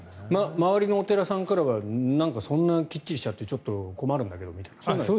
周りのお寺さんからはそんなきっちりしちゃってちょっと困るんだけどみたいな。